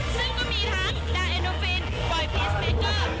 ซึ่งก็มีทั้งดาเอโนฟินบอยพีชเบเกอร์